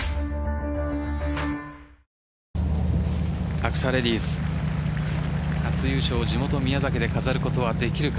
アクサレディス初優勝を地元・宮崎で飾ることはできるか。